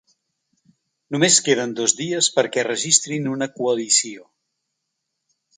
Només queden dos dies perquè registrin una coalició.